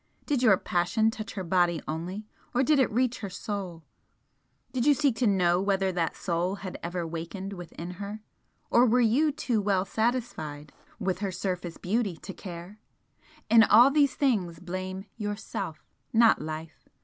Did your passion touch her body only, or did it reach her Soul? Did you seek to know whether that Soul had ever wakened within her, or were you too well satisfied with her surface beauty to care? In all these things blame Yourself, not life!